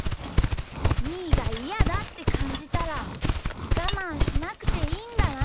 みーがイヤだってかんじたらがまんしなくていいんだな。